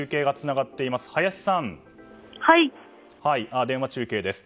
電話中継です。